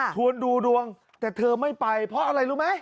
ดวงดูดวงแต่เธอไม่ไปเพราะอะไรรู้ไหม